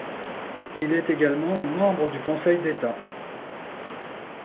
Il est également membre du Conseil d'État.